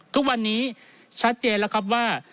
ทุกวันนี้ชัดเจนแล้วครับว่า